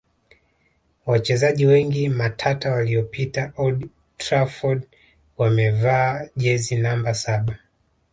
Wachezaji wengi matata waliopita old Trafford wamevaa jezi namba saba